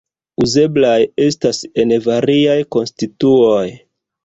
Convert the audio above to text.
Uzeblaj estas en variaj konstituoj.